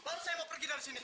baru saya mau pergi dari sini